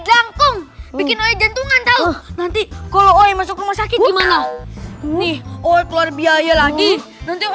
jangkung bikin jantungan tahu nanti kalau masuk rumah sakit gimana nih oh keluar biaya lagi